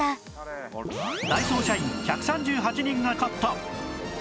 ダイソー社員１３８人が買った